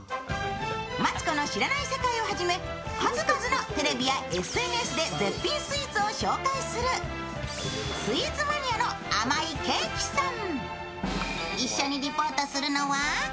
「マツコの知らない世界」をはじめ数々のテレビやＳＮＳで絶品スイーツを紹介するスイーツマニアのあまいけいきさん。